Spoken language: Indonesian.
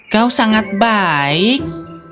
kau sangat baik